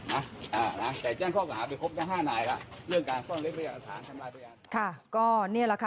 แต่แจ้งครอบครัวไปครบกับ๕นายเรื่องการซ่อนลิ้นเอะ